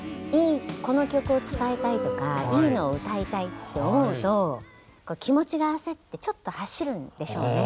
この曲を伝えたいとかいいのを歌いたいって思うと気持ちが焦ってちょっと走るんでしょうね。